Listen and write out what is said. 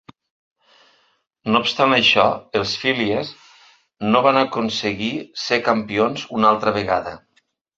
No obstant això, els Phillies no van aconseguir ser campions una altra vegada.